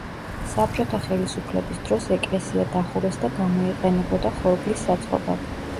საბჭოთა ხელისუფლების დროს ეკლესია დახურეს და გამოიყენებოდა ხორბლის საწყობად.